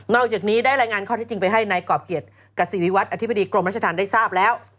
อกจากนี้ได้รายงานข้อที่จริงไปให้นายกรอบเกียรติกษิริวัตรอธิบดีกรมรัชธรรมได้ทราบแล้ว